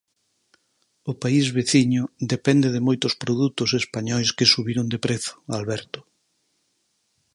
O país veciño depende de moitos produtos españois que subiron de prezo, Alberto...